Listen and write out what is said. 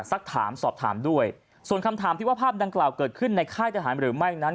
สักถามสอบถามด้วยส่วนคำถามที่ว่าภาพดังกล่าวเกิดขึ้นในค่ายทหารหรือไม่นั้น